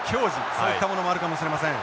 そういったものもあるかもしれません。